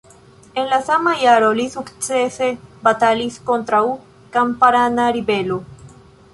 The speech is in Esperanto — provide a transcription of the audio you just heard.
En la sama jaro li sukcese batalis kontraŭ kamparana ribelo.